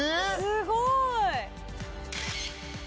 「すごーい！」